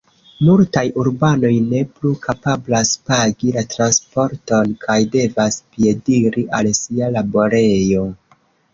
Multaj urbanoj ne plu kapablas pagi la transporton kaj devas piediri al sia laborejo.